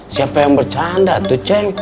siapa yang bercanda tuh ceng